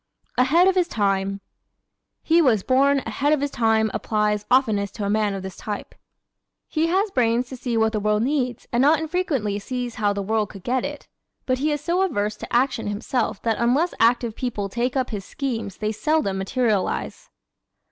Ahead of His Time ¶ "He was born ahead of his time" applies oftenest to a man of this type. He has brains to see what the world needs and not infrequently sees how the world could get it. But he is so averse to action himself that unless active people take up his schemes they seldom materialize.